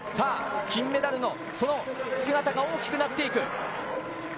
金メダルのその姿が大きくなっていく。